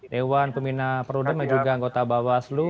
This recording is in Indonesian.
dewan pembina perudem dan juga anggota bawaslu